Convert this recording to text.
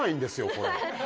これ。